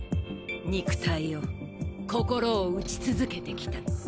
肉体を心を打ち続けてきた。